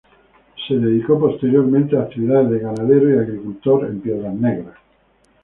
Se dedicó posteriormente a actividades de ganadero y agricultor en Piedras Negras.